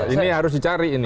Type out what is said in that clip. ini harus dicari ini